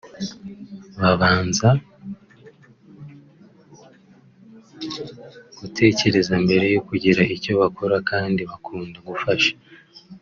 babanza gutekereza mbere yo kugira icyo bakora kandi bakunda gufasha